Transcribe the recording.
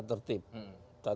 tata tertib yang sudah dilalui